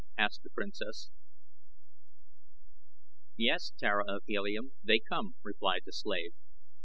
asked the princess. "Yes, Tara of Helium, they come," replied the slave.